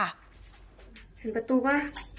เห็นประตูป่ะ